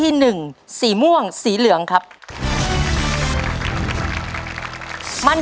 ใช่นักร้องบ้านนอก